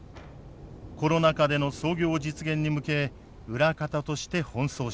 コロナ禍での操業実現に向け裏方として奔走した。